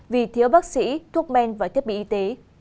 vì thiếu bác sĩ thuốc men và thiết bị y tế